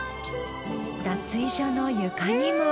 脱衣所の床にも。